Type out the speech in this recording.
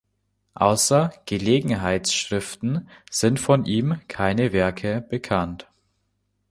Außer Gelegenheitsschriften sind von ihm keine Werke bekannt.